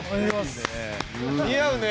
似合うね